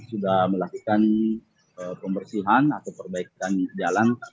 sudah melakukan pembersihan atau perbaikan jalan